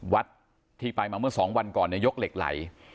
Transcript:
วัดที่ไปมาเมื่อ๒วันก่อนยกเหล็กไหล